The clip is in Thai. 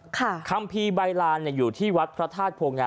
คัมภีร์ใบลานอยู่ที่วรรษภาษภัทรโภงงาน